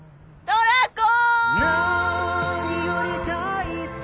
トラコ！